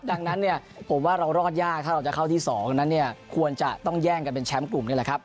ดังนั้นผมว่าเรารอดยากถ้าเราจะเข้าที่๒มุมม์นั้นควรจะต้องแย่งกันเป็นแชมป์กลุ่มด้วยล่ะครับ